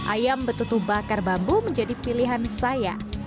ayam betutu bakar bambu menjadi pilihan saya